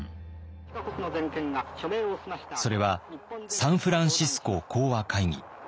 それはサンフランシスコ講和会議。